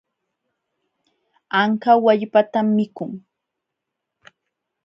Anka wallpatan mikun.